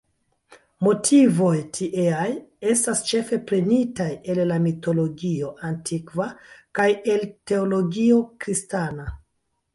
Motivoj tieaj estas ĉefe prenitaj el la mitologio antikva kaj el teologio kristana.